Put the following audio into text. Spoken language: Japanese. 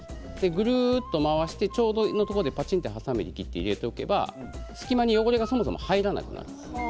ぐるっと回してちょうどいいところではさみで切って入れておけば隙間へそもそも汚れが入らなくなります。